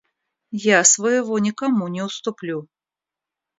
Я своего никому не уступлю.